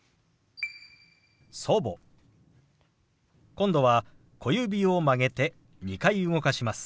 今度は小指を曲げて２回動かします。